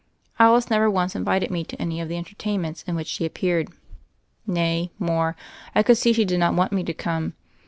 Alice never once invited me to any of the en tertainments in which she appeared. Nay, more : I could see she did not want me to come.